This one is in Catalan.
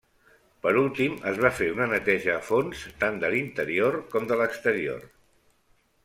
Per últim es va fer una neteja a fons tant de l'interior com de l'exterior.